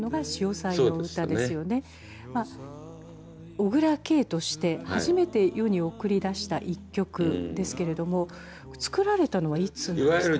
小椋佳として初めて世に送り出した一曲ですけれども作られたのはいつなんですか？